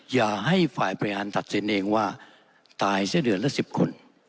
อย่าให้ฝ่ายบริหารตัดสินเองว่าตายเสียเดือนละ๑๐คน